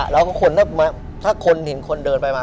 แล้วจากคุณถ้าคนเห็นคุณเดินไปมา